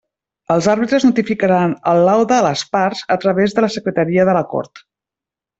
Els àrbitres notificaran el laude a les parts a través de la Secretaria de la Cort.